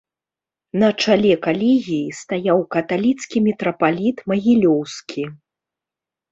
На чале калегіі стаяў каталіцкі мітрапаліт магілёўскі.